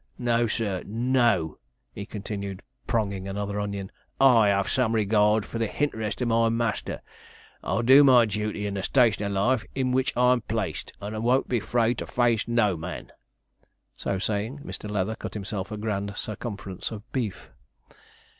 No sir, no,' he continued, pronging another onion; 'I have some regard for the hinterest o' my master. I'll do my duty in the station o' life in which I'm placed, and won't be 'fraid to face no man.' So saying, Mr. Leather cut himself a grand circumference of beef.